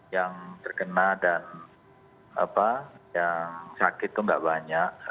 yang terkena dan yang sakit itu tidak banyak